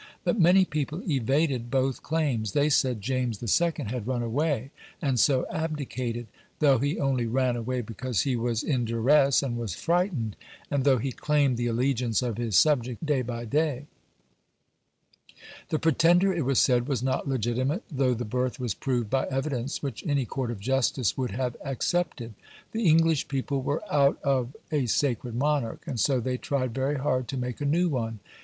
But many people evaded both claims. They said James II. had "run away," and so abdicated, though he only ran away because he was in duresse and was frightened, and though he claimed the allegiance of his subjects day by day. The Pretender, it was said, was not legitimate, though the birth was proved by evidence which any Court of Justice would have accepted. The English people were "out of" a sacred monarch, and so they tried very hard to make a new one.